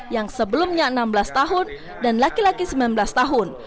yang sebelumnya enam belas tahun dan laki laki sembilan belas tahun